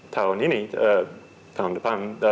tahun ini tahun depan